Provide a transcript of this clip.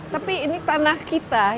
tapi ini tanah kita